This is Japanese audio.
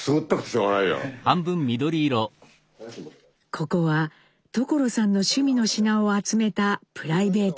ここは所さんの趣味の品を集めたプライベートルーム。